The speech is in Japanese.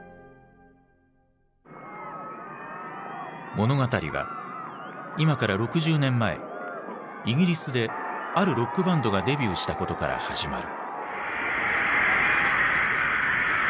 物語は今から６０年前イギリスであるロックバンドがデビューしたことから始まる。